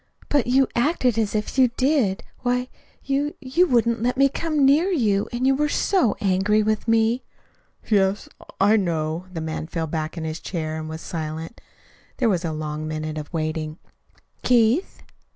"But you acted as if you did. Why, you you wouldn't let me come near you, and you were so angry with me." "Yes, I know." The man fell back in his chair and was silent. There was a long minute of waiting. "Keith."